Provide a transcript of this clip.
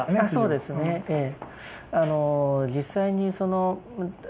そうですねええ。